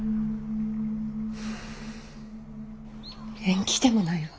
縁起でもないわ。